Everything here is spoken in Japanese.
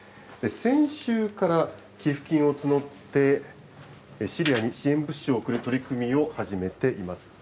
先週から寄付金を募って、シリアに支援物資を送る取り組みを始めています。